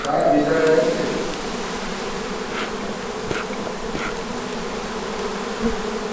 কিন্তু সেই অর্থ সামান্য ছিল।